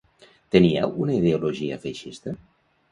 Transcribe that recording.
Tenia una ideologia feixista?